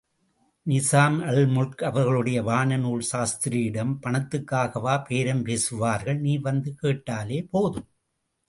நிசாம் அல்முல்க் அவர்களுடைய வானநூல் சாஸ்திரியிடம், பணத்துக்காகவா பேரம் பேசுவார்கள், நீ வந்து கேட்டாலே போதும்.